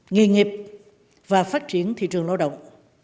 nghề nghiệp và phát triển thị trường lao động